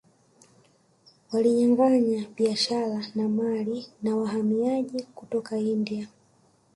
Walinyanganya biashara na mali ya wahamiaji kutoka India